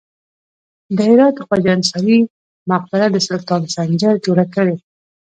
د هرات د خواجه انصاري مقبره د سلطان سنجر جوړه کړې